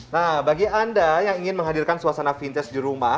nah bagi anda yang ingin menghadirkan suasana vintage di rumah